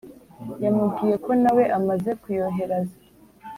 yamubwiyeko nawe amaze kuyoheraza